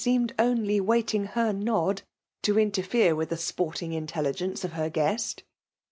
seemed only waiting her nod, to interfere with the sporting intelligence of her guest.